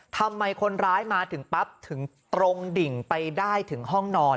ทำไมคนร้ายมาถึงปั๊บถึงตรงดิ่งไปได้ถึงห้องนอน